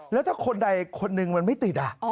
แล้วถ้าคนใดคนหนึ่งมันไม่ติด